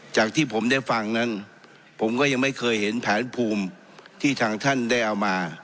จากที่ผมได้ฟังนั้นผมก็ยังไม่เคยเห็นแผนภูมิที่ทางท่านได้เอามา